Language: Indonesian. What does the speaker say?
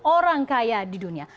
orang kaya di dunia